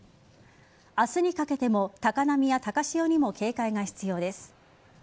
明日にかけても高波や高潮にも警戒が必要です。